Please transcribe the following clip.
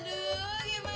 langsung enggak mau